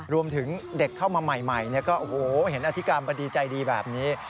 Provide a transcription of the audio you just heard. รวมถึงเด็กเข้ามาใหม่ก็โอ้โหเห็นอธิการบดีใจดีแบบนี้